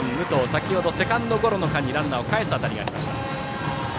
先ほどはセカンドゴロの間にランナーをかえす当たりがありました。